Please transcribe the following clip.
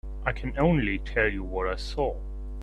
I can only tell you what I saw.